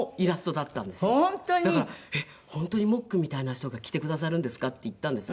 だから「えっ？本当にモックンみたいな人が来てくださるんですか？」って言ったんですよ。